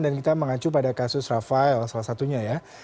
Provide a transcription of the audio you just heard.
dan kita mengacu pada kasus rafael salah satunya ya